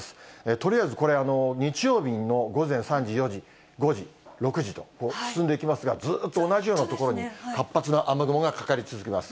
とりあえずこれ、日曜日の午前３時、４時、５時、６時と進んでいきますが、ずっと同じような所に活発な雨雲がかかり続けます。